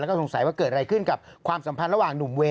แล้วก็สงสัยว่าเกิดอะไรขึ้นกับความสัมพันธ์ระหว่างหนุ่มเวย